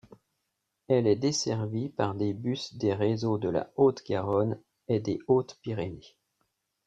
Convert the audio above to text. Elle est desservie par des bus des réseaux de la Haute-Garonne et des Hautes-Pyrénées.